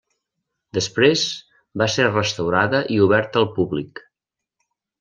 Després va ser restaurada i oberta al públic.